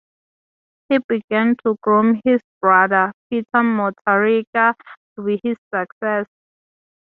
He began to groom his brother, Peter Mutharika, to be his successor.